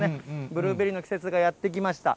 ブルーベリーの季節がやって来ました。